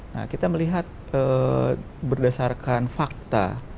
nah kita melihat berdasarkan fakta